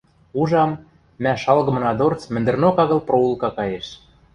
Ужам, мӓ шалгымына дорц мӹндӹрнок агыл проулка каеш.